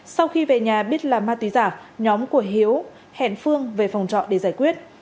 sau khi về nhà biết là ma túy giả nhóm của hiếu hẹn phương về phòng trọ để giải quyết